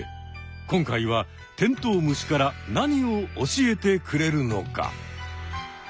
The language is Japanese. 今回はテントウムシから何を教えてくれるのか？